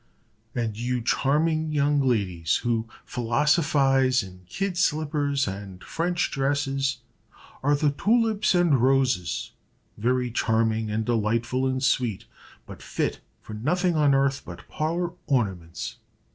"And you charming young ladies, who philosophize in kid slippers and French dresses, are the tulips and roses very charming, and delightful, and sweet, but fit for nothing on earth but parlor ornaments."